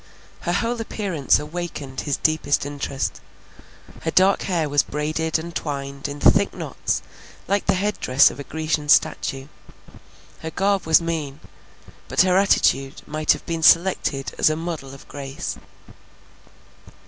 Her whole appearance awakened his deepest interest. Her dark hair was braided and twined in thick knots like the head dress of a Grecian statue; her garb was mean, but her attitude might have been selected as a model of grace.